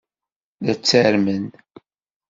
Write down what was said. La ttarmen.